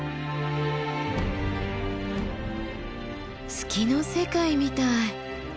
月の世界みたい。